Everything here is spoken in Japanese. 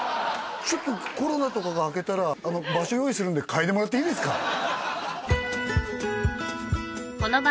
ちょっとコロナとかが明けたら場所用意するんで嗅いでもらっていいですか